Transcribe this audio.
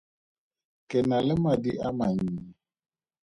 Ke na le madi a mannye.